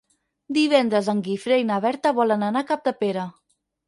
Divendres en Guifré i na Berta volen anar a Capdepera.